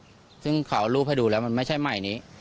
ซึ่งเขาเอารูปให้ดูแล้วมันไม่ใช่ใหม่นี้